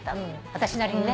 私なりにね。